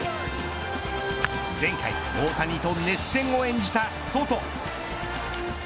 前回大谷と熱戦を演じたソト。